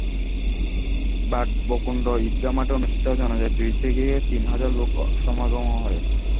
বাড়বকুণ্ড ঈদগাহ্ মাঠে অনুষ্ঠিত জানাজায় দুই থেকে তিন হাজার লোক সমাগম হয়।